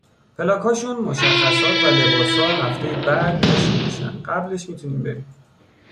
پلاکاشون، مشخصات و لباسا هفتهی بعد تشیع میشن، قبلش میتونیم بریم